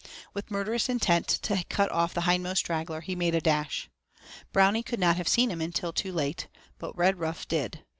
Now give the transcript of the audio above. With murderous intent to cut off the hindmost straggler, he made a dash. Brownie could not have seen him until too late, but Redruff did.